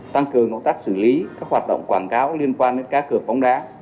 tăng cường công tác xử lý các hoạt động quảng cáo liên quan đến cá cửa phóng đá